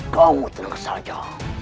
kau tenang saja